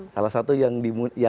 salah satu yang dimu